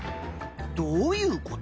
どういうこと？